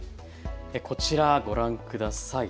こちら、ご覧ください。